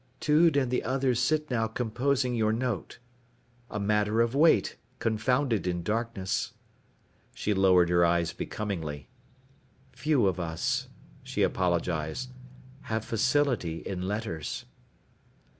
"Tude and the others sit now composing your note. A matter of weight, confounded in darkness." She lowered her eyes becomingly. "Few of us," she apologized, "have facility in letters."